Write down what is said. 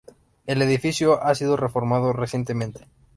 El edificio ha sido reformado recientemente.